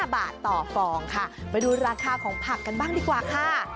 ๕บาทต่อฟองค่ะไปดูราคาของผักกันบ้างดีกว่าค่ะ